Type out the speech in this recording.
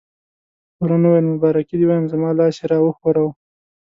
تورن وویل: مبارکي دې وایم، زما لاس یې را وښوراوه.